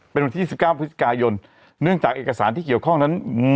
เป็นวันที่๒๙พฤศจิกายนเนื่องจากเอกสารที่เกี่ยวข้องนั้น